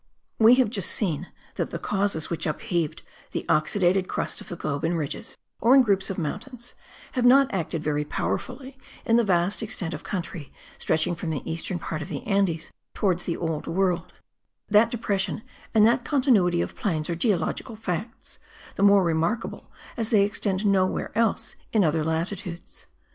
We have just seen that the causes which upheaved the oxidated crust of the globe in ridges, or in groups of mountains, have not acted very powerfully in the vast extent of country stretching from the eastern part of the Andes towards the Old World; that depression and that continuity of plains are geologic facts, the more remarkable, as they extend nowhere else in other latitudes.